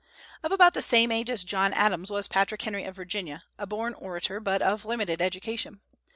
Of about the same age as John Adams was Patrick Henry, of Virginia, a born orator, but of limited education.